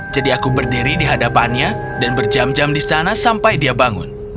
jadi aku berdiri di hadapannya dan berjam jam di sana sampai dia bangun